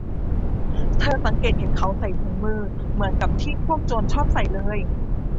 เธอสังเกตเห็นเขาใส่ถุงมือ เหมือนกับที่พวกโจรชอบใส่เลย